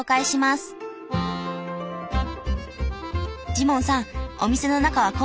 ジモンさん